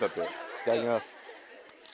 いただきます。